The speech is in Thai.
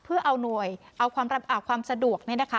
เพื่อเอาหน่วยเอาความสะดวก